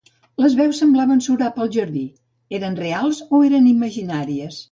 Les veus semblaven surar pel jardí, eren reals o eren imaginàries?